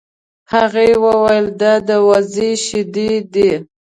هغې وویل دا د وزې شیدې دي.